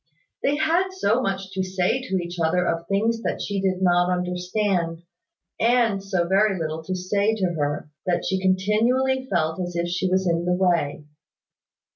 They had so much to say to each other of things that she did not understand, and so very little to say to her, that she continually felt as if she was in the way.